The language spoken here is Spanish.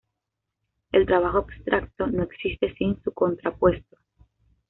El trabajo abstracto no existe sin su contrapuesto.